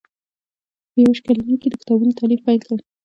په یو ویشت کلنۍ کې یې د کتابونو تالیف پیل کړ.